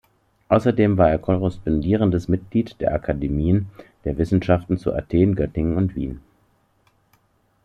Außerdem war er korrespondierendes Mitglied der Akademien der Wissenschaften zu Athen, Göttingen und Wien.